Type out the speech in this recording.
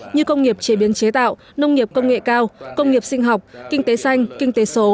như công nghiệp chế biến chế tạo nông nghiệp công nghệ cao công nghiệp sinh học kinh tế xanh kinh tế số